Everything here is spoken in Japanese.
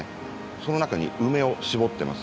その中に梅を絞ってます。